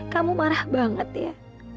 kamu marah banget ya